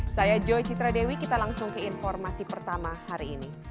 saya joy citradewi kita langsung ke informasi pertama hari ini